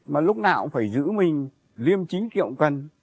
mà lúc nào cũng phải giữ mình liêm chính kiệu cần